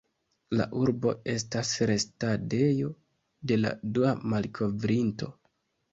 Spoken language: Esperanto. La urbo estas restadejo de la dua malkovrinto.